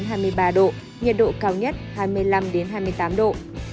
nhiệt độ cao nhất hai mươi năm hai mươi tám độ